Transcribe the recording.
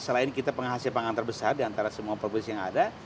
selain kita penghasil pangan terbesar di antara semua provinsi yang ada